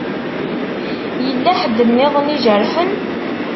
Yella ḥedd-iḍen ijerḥen?